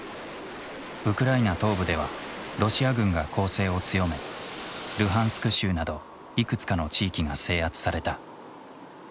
ウクライナ東部ではロシア軍が攻勢を強めルハンスク州などいくつかの地域が制圧された。